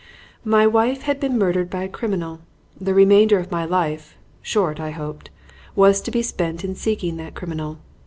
"My wife had been murdered by a criminal. The remainder of my life short, I hoped was to be spent in seeking that criminal.